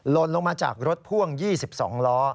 ลนลงมาจากรถพ่วง๒๒ล้อ